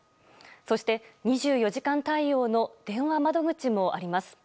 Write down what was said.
そして、２４時間対応の電話窓口もあります。